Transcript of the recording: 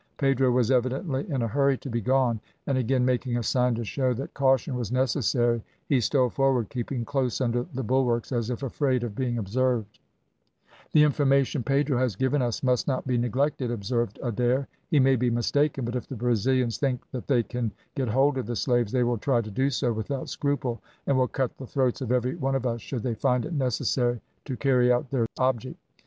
Pedro was evidently in a hurry to be gone, and again making a sign to show that caution was necessary he stole forward, keeping close under the bulwarks, as if afraid of being observed. "The information Pedro has given us must not be neglected," observed Adair. "He may be mistaken, but if the Brazilians think that they can get hold of the slaves they will try to do so without scruple, and will cut the throats of every one of us should they find it necessary to carry out their object.